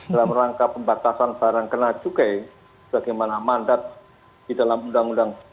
dalam rangka pembatasan barang kena cukai bagaimana mandat di dalam undang undang